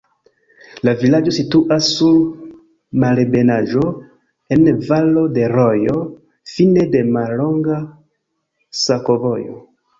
La vilaĝo situas sur malebenaĵo, en valo de rojo, fine de mallonga sakovojo.